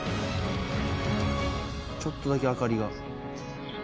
ちょっとだけ明かりが。